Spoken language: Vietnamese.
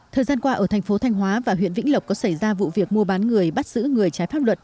thời gian qua ở thành phố thanh hóa và huyện vĩnh lộc có xảy ra vụ việc mua bán người bắt giữ người trái pháp luật